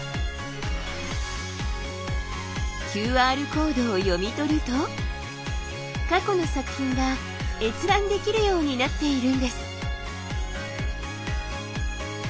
ＱＲコードを読み取ると過去の作品が閲覧できるようになっているんです。